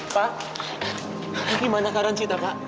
pak gimana karan cita pak